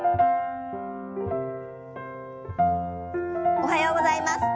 おはようございます。